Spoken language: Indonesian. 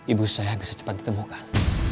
ibu saya bisa cepat ditemukan